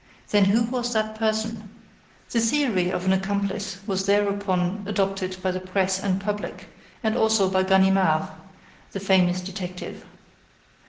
Then who was that person? An accomplice? The theory of an accomplice was thereupon adopted by the press and public, and also by Ganimard, the famous detective.